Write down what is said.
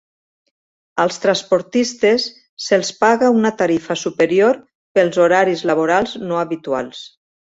Als transportistes se'ls paga una tarifa superior pels horaris laborals no habituals.